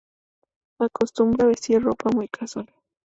Acostumbra vestir ropa muy casual.